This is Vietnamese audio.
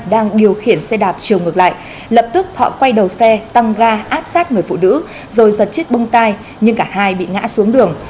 đang điều khiển xe đạp chiều ngược lại lập tức thọ quay đầu xe tăng ga áp sát người phụ nữ rồi giật chiếc bông tai nhưng cả hai bị ngã xuống đường